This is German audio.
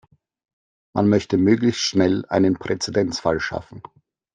Man möchte möglichst schnell einen Präzedenzfall schaffen.